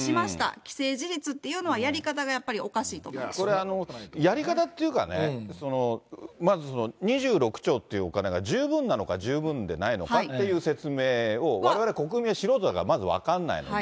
既成事実っていうのは、やり方がこれは、やり方っていうかね、まず２６兆っていうお金が、十分なのか十分でないのかっていう説明を、われわれ国民は素人だからまず分からないのと、